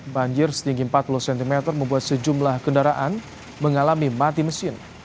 banjir setinggi empat puluh cm membuat sejumlah kendaraan mengalami mati mesin